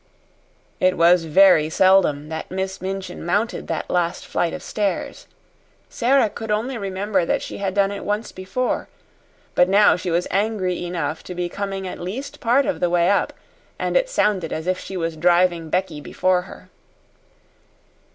It was very seldom that Miss Minchin mounted the last flight of stairs. Sara could only remember that she had done it once before. But now she was angry enough to be coming at least part of the way up, and it sounded as if she was driving Becky before her.